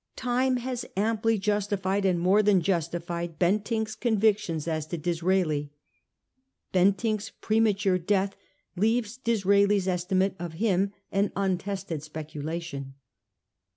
Time has amply justified and more than justified Bentinck's convictions as to Disraeli ; Ben tinck's premature death leaves Disraeli's estimate of him an untested speculation.